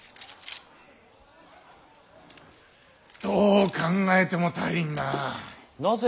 どう考えても足りんな。